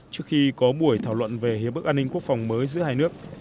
trước khi có buổi thảo luận về hiếp bức an ninh quốc phòng mới giữa hai nước